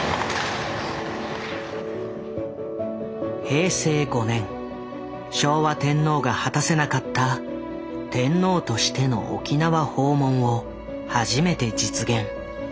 平成５年昭和天皇が果たせなかった天皇としての沖縄訪問を初めて実現。